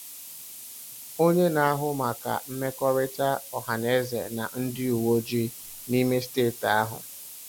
onye na-ahụ maka mmekọrịta ọhaneze na ndị uweojii n'ime steeti ahụ